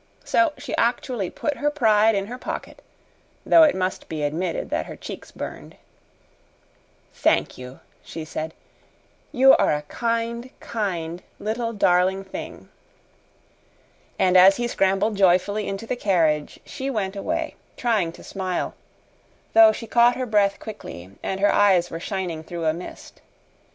So she actually put her pride in her pocket, though it must be admitted her cheeks burned. "Thank you," she said. "You are a kind, kind little darling thing." And as he scrambled joyfully into the carriage she went away, trying to smile, though she caught her breath quickly and her eyes were shining through a mist.